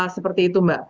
seperti itu mbak